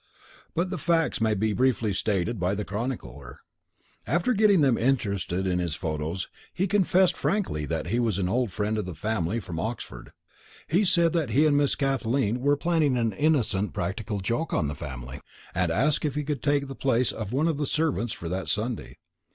But the facts may be briefly stated by the chronicler. After getting them interested in his photos he confessed frankly that he was an old friend of the family from Oxford. He said that he and Miss Kathleen were planning an innocent practical joke on the family, and asked if he could take the place of one of the servants for that Sunday.